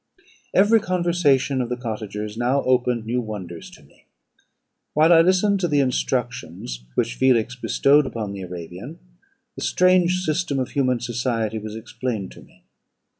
"Every conversation of the cottagers now opened new wonders to me. While I listened to the instructions which Felix bestowed upon the Arabian, the strange system of human society was explained to me.